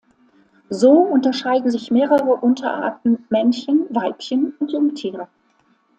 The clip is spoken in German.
So unterscheiden sich mehrere Unterarten, Männchen, Weibchen und Jungtiere.